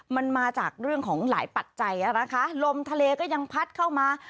มันมาจากเรื่องของหลายปัจจัยนะคะลมทะเลก็ยังพัดเข้ามา